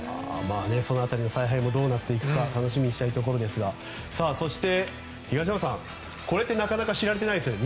その辺りの采配もどうなっていくか楽しみにしたいところですがそして、東山さんこれってなかなか知られてないですよね。